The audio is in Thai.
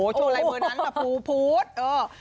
โชว์อะไรเมื่อนั้นแบบภูตโอ๊ย